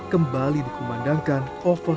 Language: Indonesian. kembali dikemandangkan ovos omnas atau seruan duka yesus